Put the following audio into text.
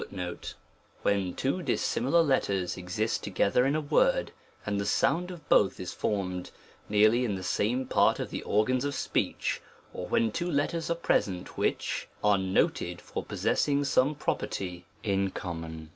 * when two dissimilar letters exist together in a word, and the sound of both is formed, nearly in the same part of the organs of speech, or when two letters are present which, are noted for possessing some property in common.